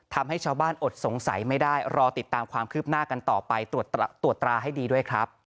ทำให้ชาวบ้านอดสงสัยไม่ได้รอติดตามความคืบหน้ากันต่อไปตรวจตราให้ดีด้วยครับ